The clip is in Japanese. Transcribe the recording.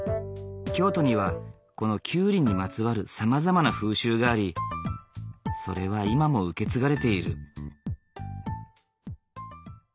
京都にはこのキュウリにまつわるさまざまな風習がありそれは今も受け継がれている。